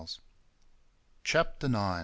Chapter IX.